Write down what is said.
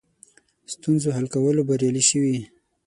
ستونزو حل کولو بریالي شوي.